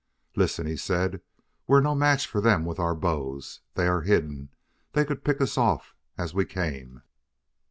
"Listen," he said: "we're no match for them with our bows. They are hidden; they could pick us off as we came.